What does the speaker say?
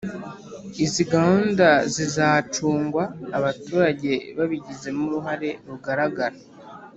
izi gahunda zizacungwa abaturage babigizemo uruhare rugaragara.